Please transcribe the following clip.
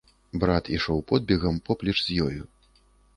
Брат ішоў подбегам поплеч з ёю.